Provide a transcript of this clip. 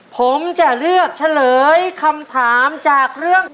ผมจะเลือกเฉลยคำถามจากเรื่อง